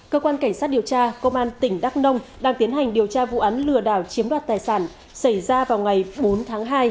cơ quan cảnh sát điều tra công an tỉnh đắk nông đang tiến hành điều tra vụ án lừa đảo chiếm đoạt tài sản xảy ra vào ngày bốn tháng hai